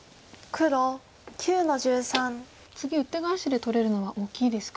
次ウッテガエシで取れるのは大きいですか。